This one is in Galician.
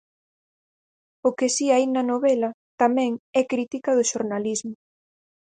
O que si hai na novela, tamén, é crítica do xornalismo.